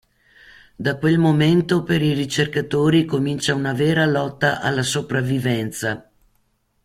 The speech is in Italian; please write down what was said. Da quel momento, per i ricercatori comincia una vera lotta alla sopravvivenza.